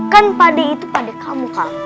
kan pade itu pade kamu kal